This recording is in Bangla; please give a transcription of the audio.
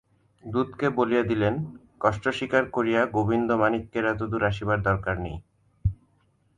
দূতকে বলিয়া দিলেন, কষ্ট স্বীকার করিয়া গোবিন্দমাণিক্যের এতদূর আসিবার দরকার নেই।